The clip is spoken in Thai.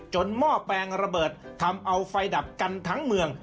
หม้อแปลงระเบิดทำเอาไฟดับกันทั้งเมือง